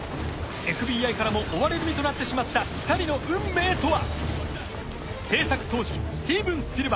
ＦＢＩからも追われる身となってしまった２人の運命とは？